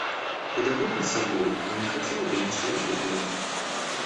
Ты доволен собой и не хотел бы ничего другого?